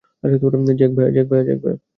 Jack, ভায়া।